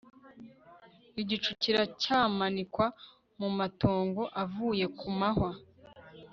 Igicu kiracyamanikwa mumatongo avuye kumahwa